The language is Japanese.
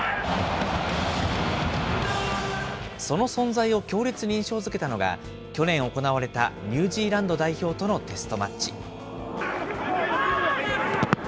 その存在を強烈に印象づけたのが、去年行われたニュージーランド代表とのテストマッチ。